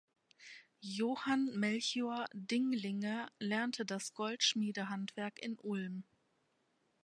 Johann Melchior Dinglinger lernte das Goldschmiedehandwerk in Ulm.